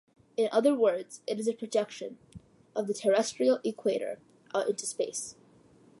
In other words, it is a projection of the terrestrial equator out into space.